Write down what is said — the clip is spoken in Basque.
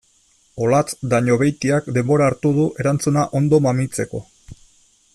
Olatz Dañobeitiak denbora hartu du erantzuna ondo mamitzeko.